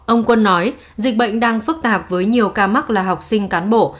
ông quân nói dịch bệnh đang phức tạp với nhiều ca mắc là học sinh cán bộ